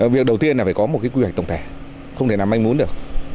việc đầu tiên là phải có một quy hoạch tổng thể không thể nào manh muốn được